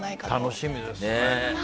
楽しみですね。